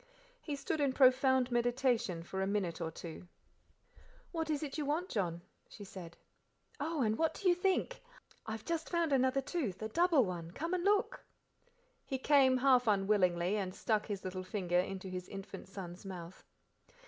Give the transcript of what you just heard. He stood in profound meditation for a minute or two. "What is it you want, John?" she said. "Oh! and what do you think? I have just found another tooth, a double one come and look." He came, half unwillingly, and stuck his little finger into his infant son's mouth.